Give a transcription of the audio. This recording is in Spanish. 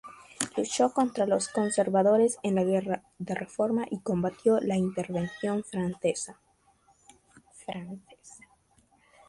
Luchó contra los "conservadores" en la Guerra de Reforma y combatió la Intervención francesa.